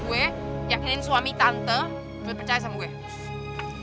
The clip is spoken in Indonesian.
meyakinkan suami tante untuk percaya pada saya